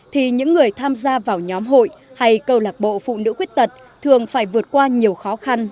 thì những người tham gia vào nhóm hội hay câu lạc bộ phụ nữ khuyết tật thường phải vượt qua nhiều khó khăn